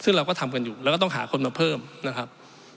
ซึ่งเราก็ทำกันอยู่แล้วก็ต้องหาคนมาเพิ่มนะครับ